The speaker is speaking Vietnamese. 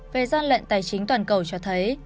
về gian lận tài chính toàn cầu cho thấy